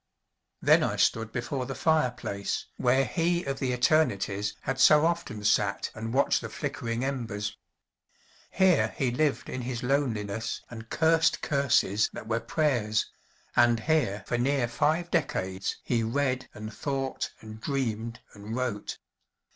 Then I stood before the fireplace, where he of the Eternities had so often sat and watched the flickering embers. Here he lived in his loneliness and cursed curses that were prayers, and here for near five decades he read and thought and dreamed and wrote.